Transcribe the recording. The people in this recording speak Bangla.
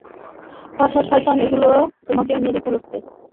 ফর্সা সয়তান গুলো তোমাকে মেরে ফেলবে।